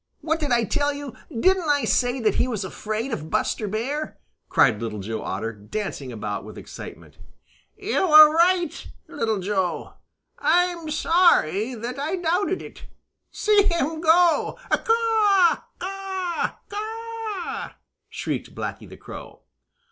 "What did I tell you? Didn't I say that he was afraid of Buster Bear?" cried Little Joe Otter, dancing about with excitement. "You were right, Little Joe! I'm sorry that I doubted it. See him go! Caw, caw, caw!" shrieked Blacky the Crow.